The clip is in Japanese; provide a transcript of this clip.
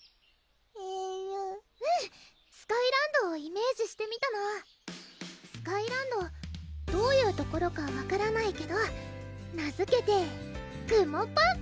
えるうんスカイランドをイメージしてみたのスカイランドどういう所か分からないけど名づけてくもパン！